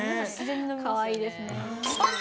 かわいいですね。